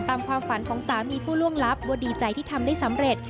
ความฝันของสามีผู้ล่วงลับว่าดีใจที่ทำได้สำเร็จ